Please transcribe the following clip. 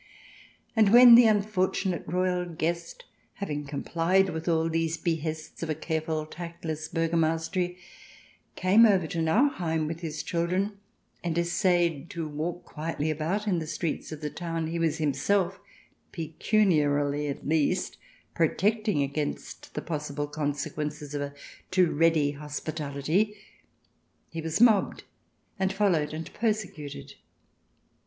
And when the unfortunate royal guest, having complied with all these behests of a careful, tactless burgomastery, came over to Nauheim with his children, and essayed to walk quietly about in the streets of the town he was himself — pecuniarily at least — protecting against the possible conse quences of a too ready hospitality, he was mobbed and 90 THE DESIRABLE ALIEN [ch. vii followed and persecuted.